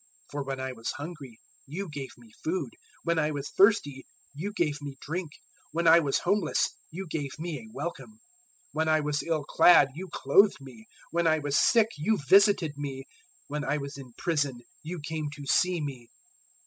025:035 For when I was hungry, you gave me food; when I was thirsty, you gave me drink; when I was homeless, you gave me a welcome; 025:036 when I was ill clad, you clothed me; when I was sick, you visited me; when I was in prison, you came to see me.'